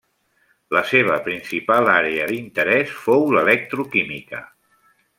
La seva principal àrea d'interès fou l'electroquímica.